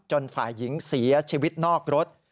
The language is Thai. ฝ่ายหญิงเสียชีวิตนอกรถ